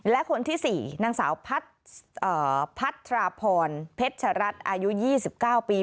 และคนที่๔นางสาวพัทราพรเพชรัตน์อายุ๒๙ปี